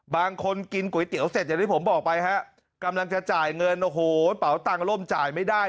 บางคนกินก๋วยเตี๋ยวเสร็จอย่างที่ผมบอกไปฮะกำลังจะจ่ายเงินโอ้โหเป๋าตังค์ล่มจ่ายไม่ได้